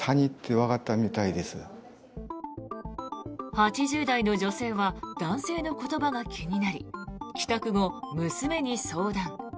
８０代の女性は男性の言葉が気になり帰宅後、娘に相談。